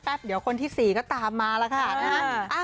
แต่ว่าคนที่๔ก็ตามมาแล้วค่ะ